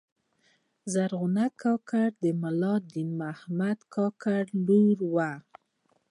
زرغونه کاکړه د ملا دین محمد کاکړ لور وه.